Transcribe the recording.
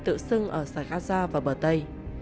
tự xưng ở sarkazha và bờ tây